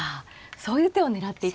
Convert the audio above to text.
そういう手を狙っていた。